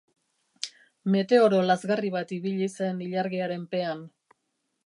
Meteoro lazgarri bat ibili zen ilargiaren pean.